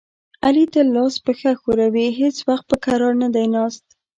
علي تل لاس پښه ښوروي، هېڅ وخت په کرار نه دی ناست.